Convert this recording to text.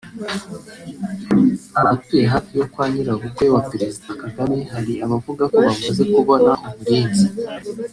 -Abatuye hafi yo kwa nyirabukwe wa Perezida Kagame hari abavuga ko bamaze kubona uburinzi